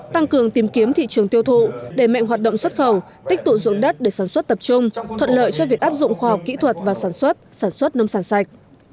tăng cường tìm kiếm thị trường tiêu thụ đẩy mạnh hoạt động xuất khẩu tích tụ dụng đất để sản xuất tập trung thuận lợi cho việc áp dụng khoa học kỹ thuật và sản xuất sản xuất nông sản sạch